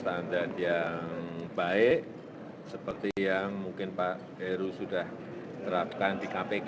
standar yang baik seperti yang mungkin pak heru sudah terapkan di kpk